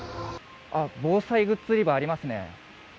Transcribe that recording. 防災グッズ売り場がありますね。